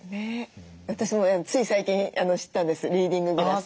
私もつい最近知ったんですリーディンググラス。